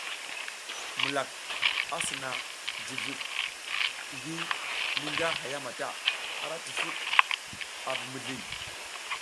Mulak a sina jiviɗ ngi mi nga haya mata, ara cifud a vi mizli.